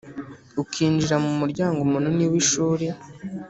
Ukinjira mu muryango munini w’ishuri